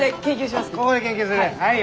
ここで研究する？